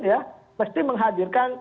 ya pasti menghadirkan